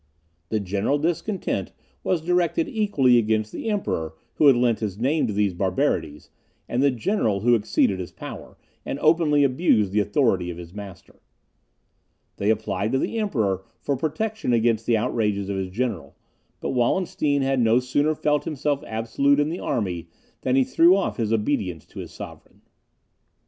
The general discontent was directed equally against the Emperor, who had lent his name to these barbarities, and the general who exceeded his power, and openly abused the authority of his master. They applied to the Emperor for protection against the outrages of his general; but Wallenstein had no sooner felt himself absolute in the army, than he threw off his obedience to his sovereign.